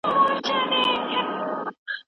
که پوښتنه وسي نو ابهام نه پاته کېږي.